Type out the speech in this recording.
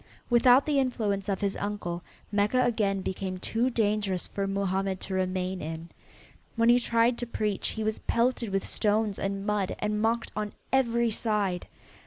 Without the influence of his uncle Mecca again became too dangerous for Mohammed to remain in. When he tried to preach he was pelted with stones and mud and mocked on every side.